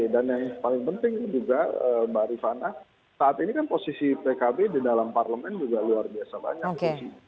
dan yang paling penting juga mbak rifana saat ini kan posisi pkb di dalam parlemen juga luar biasa banyak